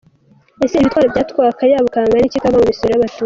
-Ese ibi bitwaro byatwaye akayabo kangana iki kava mu misoro y’abaturage?